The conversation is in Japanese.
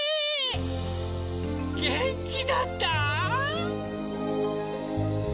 げんきだった？